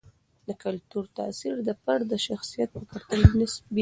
د کلتور تاثیر د فرد د شخصیت په پرتله نسبي دی.